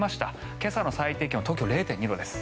今朝の最低気温東京、０．２度です。